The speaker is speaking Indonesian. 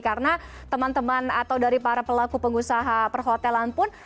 karena teman teman atau dari para pelaku pengusaha perhotelan pun